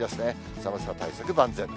寒さ対策万全で。